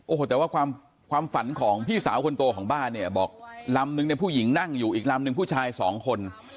โอ้โหแต่ว่าความฝันของพี่สาวคนโตของบ้านเนี่ยบอกลำนึงเนี่ยผู้หญิงนั่งอยู่อีกลำนึงผู้ชายสองคน